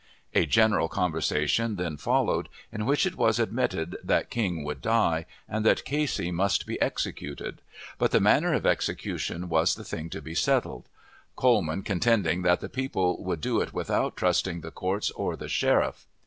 A general conversation then followed, in which it was admitted that King would die, and that Casey must be executed; but the manner of execution was the thing to be settled, Coleman contending that the people would do it without trusting the courts or the sheriff.